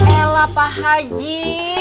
ya elah pak haji